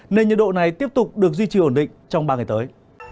nên nhiệt độ này tiếp tục được duy trì ổn định trong ba ngày tới